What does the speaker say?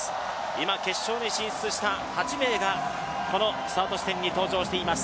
今、決勝に進出した８名がこのスタート地点に登場しています。